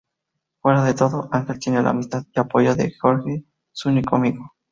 Fuera de todo, Ángel tiene la amistad y apoyo de Jorge su único amigo.